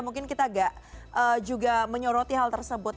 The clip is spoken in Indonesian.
mungkin kita nggak juga menyoroti hal tersebut